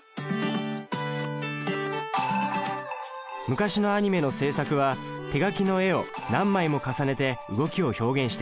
昔のアニメの制作は手書きの絵を何枚も重ねて動きを表現していました。